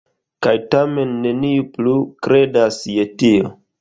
Kaj tamen neniu plu kredas je tio.